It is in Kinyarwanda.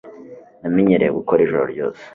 namenyereye gukora ijoro ryose